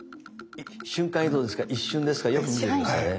瞬間移動ですから一瞬ですからよく見て下さいね。